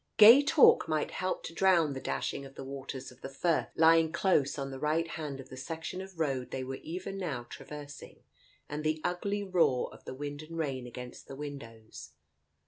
Gay talk might help to drown the dashing of the waters of the Firth lying close on the right hand of the section of road they were even now traversing, and the ugly roar of the wind and rain against the windows.